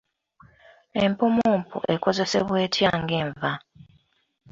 Empummumpu ekozesebwa etya ng’enva?